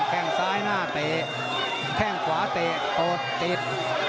แข้งซ้ายหน้าเตแข้งขวาเตโอดติด